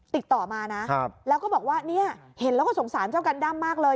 ติดต่อมานะแล้วก็บอกว่าเนี่ยเห็นแล้วก็สงสารเจ้ากันด้ำมากเลย